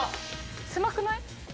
狭くない？